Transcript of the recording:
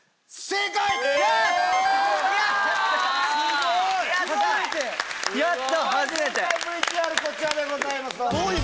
正解ＶＴＲこちらでございます。